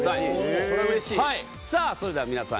さあそれでは皆さん